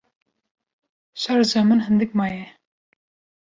Şarja min hindik maye.